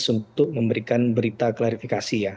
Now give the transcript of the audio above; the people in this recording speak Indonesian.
untuk memberikan berita klarifikasi ya